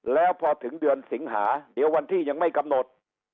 แล้วพอถึงเดือนสิงหาเดี๋ยววันที่ยังไม่กำหนด